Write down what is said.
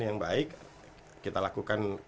yang baik kita lakukan